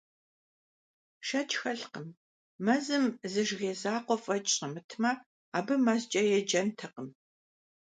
Шэч хэлъкъым: мэзым зы жыгей закъуэ фӀэкӀ щӀэмытмэ, абы мэзкӀэ еджэнтэкъым.